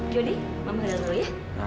jody mama ke dalam dulu ya